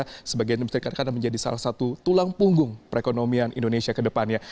sebagai anggota indonesia sebagian dari misalnya karena menjadi salah satu tulang punggung perekonomian indonesia ke depannya